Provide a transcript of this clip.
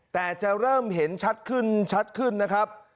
แต่จะเริ่มเห็นชัดขึ้นชัดขึ้นนะครับ